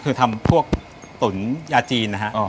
คือทำพวกตุ๋นยาจีนนะฮะ